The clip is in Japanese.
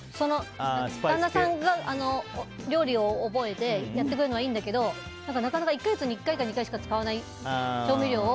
旦那さんが料理を覚えてやってくれるのはいいんだけどなかなか１か月に１回か２回しか使わない調味料を。